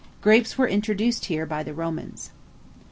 Grapes were introduced here by the Romans.